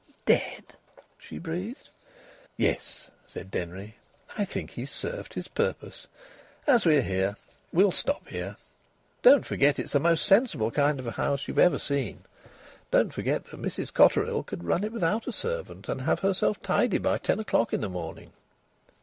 "Dead!" she breathed. "Yes," said Denry. "I think he's served his purpose. As we're here, we'll stop here. Don't forget it's the most sensible kind of a house you've ever seen. Don't forget that Mrs Cotterill could run it without a servant and have herself tidy by ten o'clock in a morning."